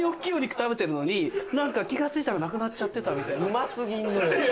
うますぎんのよ